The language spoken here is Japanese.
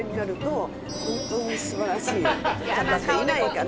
方っていないから。